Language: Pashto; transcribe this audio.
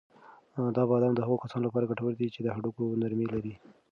دا بادام د هغو کسانو لپاره ګټور دي چې د هډوکو نرمي لري.